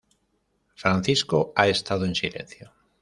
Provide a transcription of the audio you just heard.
Francisco ha estado en silencio.